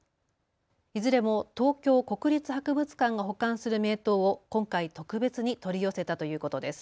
いずれも東京国立博物館が保管する名刀を今回、特別に取り寄せたということです。